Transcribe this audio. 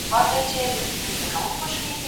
هغه څوک چي مکتب ځي زده کړه کوي؟